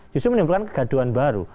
justru menimbulkan kegaduhan baru